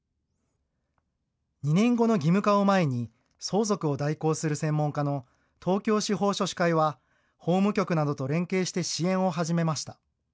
２年後の義務化を前に相続を代行する専門家の東京司法書士会は法務局などと連携して支援を始めました。